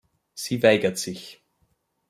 Sie weigert sich.